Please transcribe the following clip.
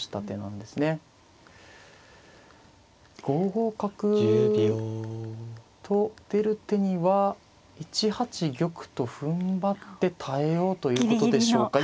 ５五角と出る手には１八玉とふんばって耐えようということでしょうか。